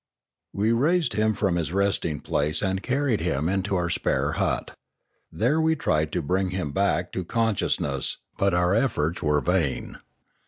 We raised him from his resting place and carried him into our spare hut. There we tried to bring him back to consciousness, but our efforts were vain.